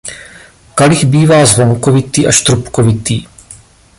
Kalich bývá zvonkovitý až trubkovitý.